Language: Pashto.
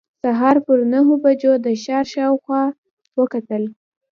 سهار پر نهو بجو د ښار شاوخوا وکتل.